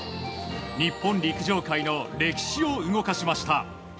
日本陸上界の歴史を動かしました。